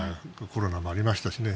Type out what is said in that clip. コロナもありましたしね。